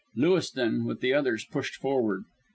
Lewiston, with the others, pushed forward.